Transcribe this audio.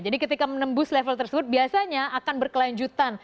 jadi ketika menembus level tersebut biasanya akan berkelanjutan